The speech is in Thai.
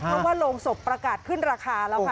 เพราะว่าโรงศพประกาศขึ้นราคาแล้วค่ะ